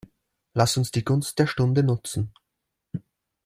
Lasst uns die Gunst der Stunde nutzen.